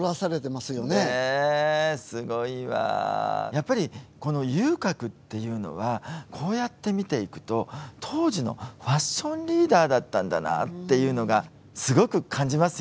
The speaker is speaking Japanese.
やっぱりこの遊郭っていうのはこうやって見ていくと当時のファッションリーダーだったんだなっていうのがすごく感じますよね。